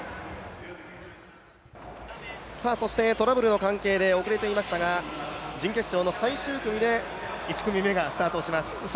トラブルの関係で遅れていましたが、準決勝の最終組で１組目がスタートします。